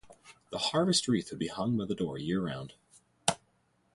The harvest wreath would be hung by the door year-round.